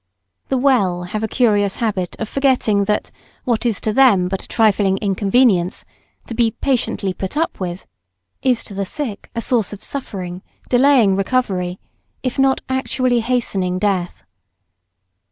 The well have a curious habit of forgetting that what is to them but a trifling inconvenience, to be patiently "put up" with, is to the sick a source of suffering, delaying recovery, if not actually hastening death.